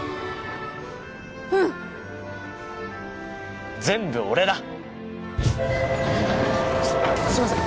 うん全部俺だすいません